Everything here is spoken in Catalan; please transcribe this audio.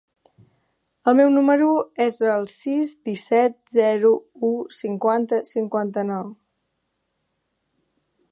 El meu número es el sis, disset, zero, u, cinquanta, cinquanta-nou.